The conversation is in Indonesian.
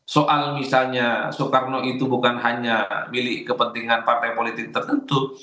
soal misalnya soekarno itu bukan hanya milik kepentingan partai politik tertentu